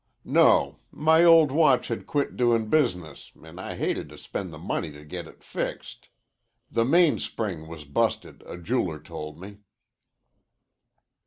"No. My old watch had quit doin' business an' I hated to spend the money to get it fixed. The mainspring was busted, a jeweler told me."